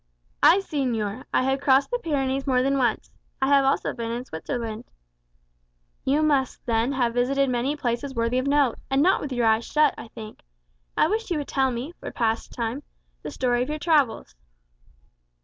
"Ay, señor; I have crossed the Pyrenees more than once. I have also been in Switzerland." "You must, then, have visited many places worthy of note; and not with your eyes shut, I think. I wish you would tell me, for pastime, the story of your travels."